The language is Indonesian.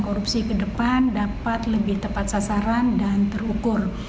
korupsi ke depan dapat lebih tepat sasaran dan terukur